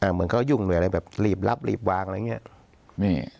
เหมือนเขายุ่งด้วยอะไรแบบรีบรับรีบวางอะไรอย่างนี้